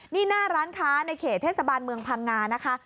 นี่หน้าร้านค้าในเขตเทศบาลเมืองพังงานะคะ